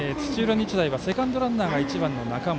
日大はセカンドランナーが１番の中本。